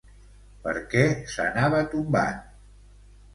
Per què s'anava tombant?